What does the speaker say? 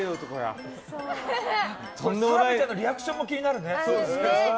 澤部ちゃんのリアクションも気になるね。